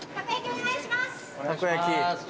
お願いします